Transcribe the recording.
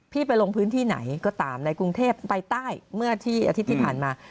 ไปลงพื้นที่ไหนก็ตามในกรุงเทพไปใต้เมื่อที่อาทิตย์ที่ผ่านมา